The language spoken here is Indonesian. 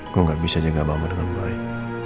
gue gak bisa jaga mama dengan baik